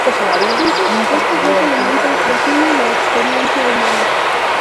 Juntos, estos dos elementos definen la experiencia humana.